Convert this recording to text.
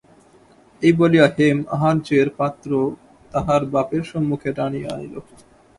এই বলিয়া হেম আহার্যের পাত্র তাহার বাপের সম্মুখে টানিয়া আনিল।